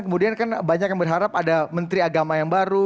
kemudian kan banyak yang berharap ada menteri agama yang baru